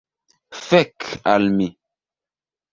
Fek' al mi